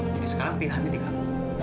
jadi sekarang pilihannya di kamu